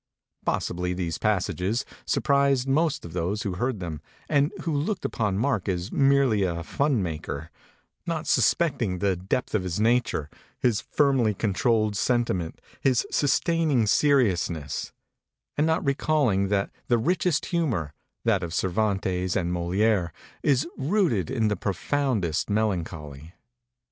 Possibly these pas sages surprised most of those who heard them and who looked upon Mark as merely a fun 281 MEMORIES OF MARK TWAIN maker, not suspecting the depth of his nature, his firmly controlled sentiment, his sustaining seriousness, and not recalling that the richest humor, that of Cervantes and Moliere, is rooted in the profoundest melancholy.